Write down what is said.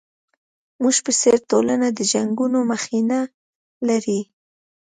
زموږ په څېر ټولنه د جنګونو مخینه لري.